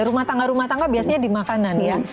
rumah tangga rumah tangga biasanya di makanan ya